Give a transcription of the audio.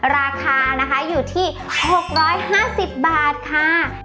ราคานะคะอยู่ที่๖๕๐บาทค่ะ